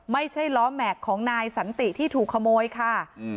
ไม่ใช่ล้อแม็กซ์ของนายสันติที่ถูกขโมยค่ะอืม